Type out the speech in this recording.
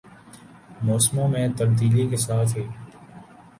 موسموں میں تبدیلی کے ساتھ ہی